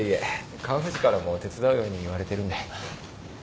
川藤からも手伝うように言われてるんで。